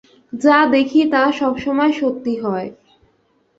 যা দেখি তা সব সময় সত্যি হয়।